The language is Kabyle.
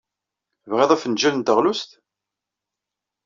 Tebɣiḍ afenjal n teɣlust?